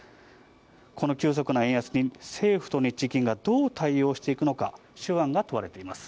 この急速な円安に、政府と日銀がどう対応していくのか、手腕が問われています。